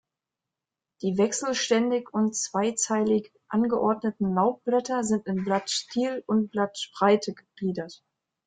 Die wechselständig und zweizeilig angeordneten Laubblätter sind in Blattstiel und Blattspreite gegliedert.